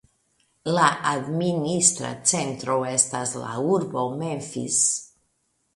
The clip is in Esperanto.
La administra centro estas la urbo Memphis.